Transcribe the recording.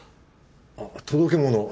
あっ届け物？